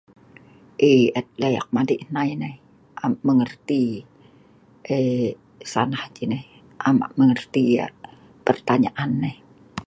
Ee et le' eek madei hnai nai, am eek mengerti, ee sanah ceh nai, am eek mengerti pertanyaan nai.